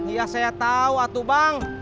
iya saya tau atuh bang